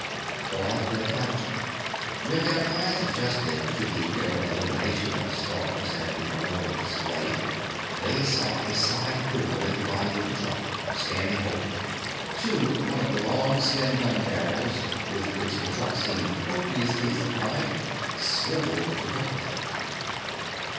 The light blinked out. When their eyes adjusted to the dimmer illumination of the stars and the aurora display they saw a side door in the body of the truck standing open. Too, one of the long, slim gun barrels with which the truck seemed copiously supplied swiveled to cover them.